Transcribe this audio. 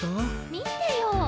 見てよ！